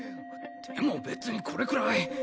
でも別にこれくらい。